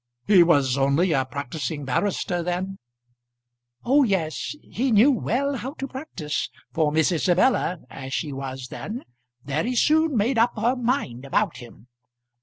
"He was only a practising barrister then." "Oh yes; he knew well how to practise, for Miss Isabella as she was then very soon made up her mind about him.